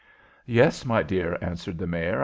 "Yes, my dear," answered the Mayor.